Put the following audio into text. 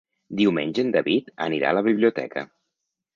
Diumenge en David anirà a la biblioteca.